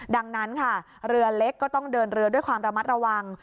ดังนั้นค่ะเรือเล็กก็ต้องเดินเรือด้วยความระมัดระวัง